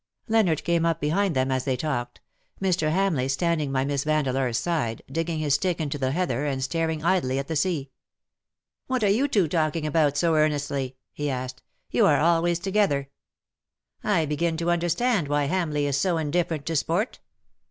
Leonard came up behind them as they talked, Mr. Hamleigh standing by Miss Vandeleur^s side, digging his stick into the heather and staring idly at the sea. "What are you two talking about so earnestly ?^^ he asked ;" you are always together. I begin to understand why Hamleigh is so indifferent to sport.